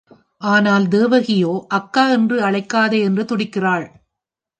ஆனால், தேவகியோ, அக்கா என்று அழைக்காதே என்று துடிக்கிறாள்.